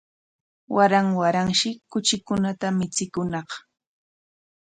Waran waranshi kuchikunata michikuñaq